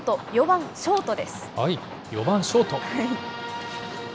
４番ショート。